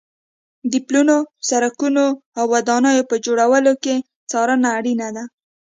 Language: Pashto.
د پلونو، سړکونو او ودانیو په جوړولو کې څارنه اړینه ده.